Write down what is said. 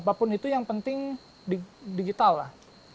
apapun itu yang penting digital lah